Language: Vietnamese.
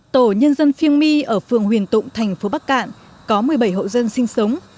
tổ nhân dân phiêng my ở phường huyền tụng thành phố bắc cạn có một mươi bảy hộ dân sinh sống